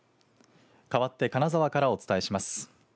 かわって金沢からお伝えします。